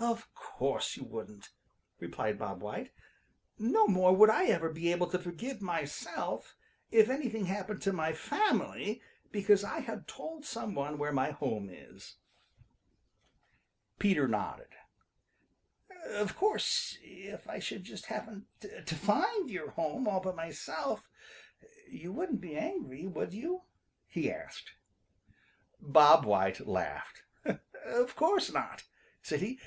"Of course you wouldn't," replied Bob White. "No more would I ever be able to forgive myself if anything happened to my family because I had told some one where my home is." Peter nodded. "Of course if I should just happen to find your home all by myself, you wouldn't be angry, would you?" he asked. Bob White laughed. "Of course not," said he.